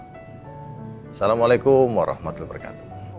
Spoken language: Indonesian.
assalamu'alaikum warahmatullahi wabarakatuh